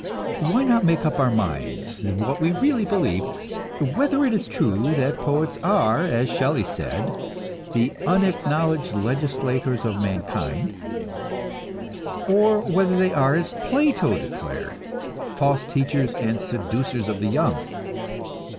Why not make up our minds what we really believe; whether it is true that poets are, as Shelley said, "the unacknowledged legislators of mankind," or whether they are, as Plato declared, false teachers and seducers of the young.